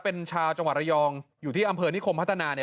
เป็นชาวจังหวัดระยองอยู่ที่อำเภอนิคมพัฒนา